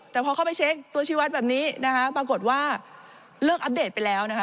แต่พอเข้าไปเช็คตัวชีวัตรแบบนี้นะคะปรากฏว่าเลิกอัปเดตไปแล้วนะคะ